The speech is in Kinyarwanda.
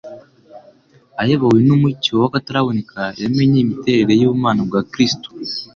Ayobowe n'umucyo w'akataraboneka, yamenye imiterere y'ubumana bwa Kristo.